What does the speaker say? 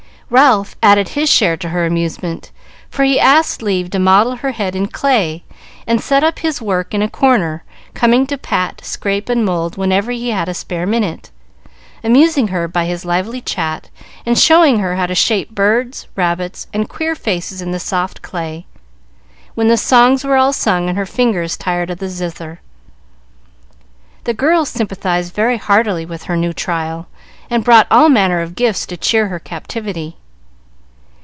Ralph added his share to her amusement, for he asked leave to model her head in clay, and set up his work in a corner, coming to pat, scrape, and mould whenever he had a spare minute, amusing her by his lively chat, and showing her how to shape birds, rabbits, and queer faces in the soft clay, when the songs were all sung and her fingers tired of the zither. The girls sympathized very heartily with her new trial, and brought all manner of gifts to cheer her captivity.